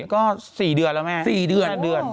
ก็๔เดือนแล้วมั้ย๔เดือน